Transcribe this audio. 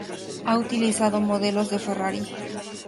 Ha utilizado modelos de Ferrari.